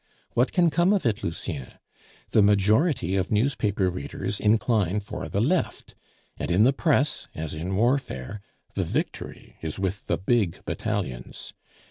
"What can come of it Lucien? The majority of newspaper readers incline for the Left; and in the press, as in warfare, the victory is with the big battalions.